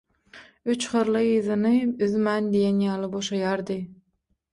Üç hyrly yzyny üzmän diýen ýaly boşaýardy.